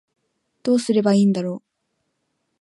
どうすればいいんだろう